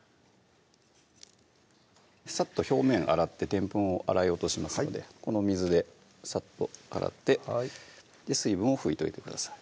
さっと表面洗ってでんぷんを洗い落としますのでこの水でさっと洗って水分を拭いといてください